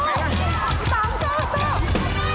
ใกล้จนเลยเมื่อกี้